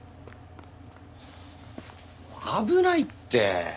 危ないって！